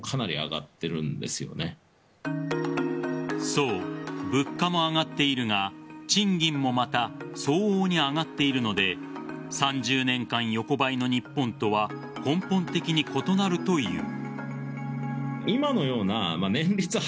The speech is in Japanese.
そう、物価も上がっているが賃金もまた相応に上がっているので３０年間横ばいの日本とは根本的に異なるという。